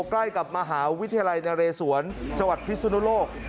ใกล้กับมหาวิทยาลัยนเรศวรจังหวัดพิสุนุโลก